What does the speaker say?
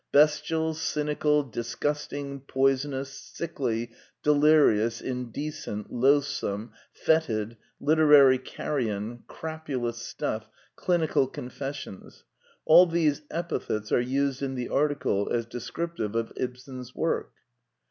Bes tial, cynical, disgusting, poisonous, sickly, deliri ous, indecent, loathsome, fetid, literary carrion, crapulous stuff, clinical confessions: all these epi thets are used in the article as descriptive of Ibsen's work.